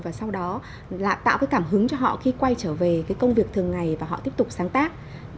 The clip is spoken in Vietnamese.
và sau đó tạo cảm hứng cho họ khi quay trở về công việc thường ngày và họ tiếp tục sáng tác